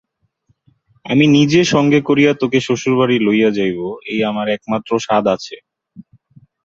আমি নিজে সঙ্গে করিয়া তােকে শ্বশুরবাড়ি লইয়া যাইব, এই আমার একমাত্র সাধ আছে!